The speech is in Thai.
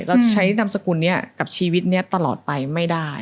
เราใช้นามสกุลนี้กับชีวิตนี้ตลอดไปไม่ได้